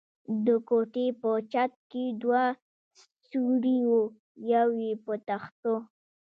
د کوټې په چت کې دوه سوري و، یو یې په تختو.